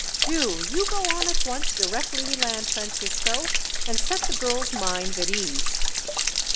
"Do you go on at once, directly we land, Francisco, and set the girls' minds at ease.